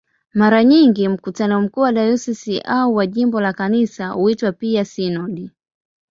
Mara nyingi mkutano mkuu wa dayosisi au wa jimbo la Kanisa huitwa pia "sinodi".